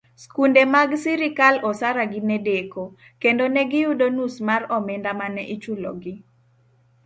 Skunde mag sirikal, osara gi nedeko, kendo negiyudo nus mar omenda mane ichulo gi.